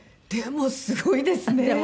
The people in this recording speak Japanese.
でもすごいですね。